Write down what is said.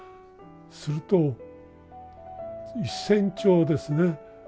すると１，０００兆ですね。